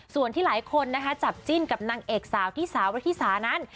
ส่วนที่หลายคนนะคะจับจิ้นกับนางเอกสาวที่สาวรัฐธิสานั้น